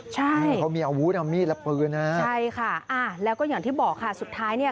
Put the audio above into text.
ใช่ใช่ค่ะแล้วก็อย่างที่บอกค่ะสุดท้ายนี่